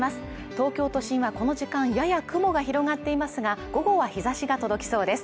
東京都心はこの時間やや雲が広がっていますが午後は日差しが届きそうです。